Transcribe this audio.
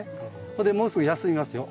ここでもうすぐ休みますよ。